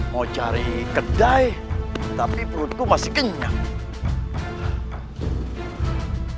mau cari kedai tapi perutku masih kenyang